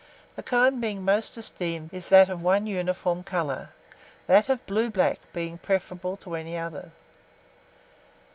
The kind most esteemed is that of one uniform colour, that of blue black being preferable to any other.